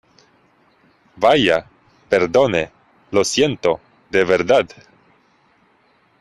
¡ vaya, perdone , lo siento , de verdad!